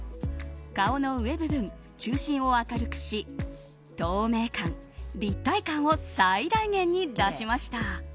顔の上部分、中心を明るくし透明感、立体感を最大限に出しました。